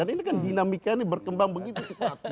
ini kan dinamika ini berkembang begitu cepat